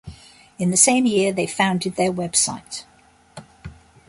In the same year, they founded their web site.